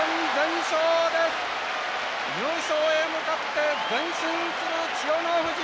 優勝へ向かって前進する千代の富士。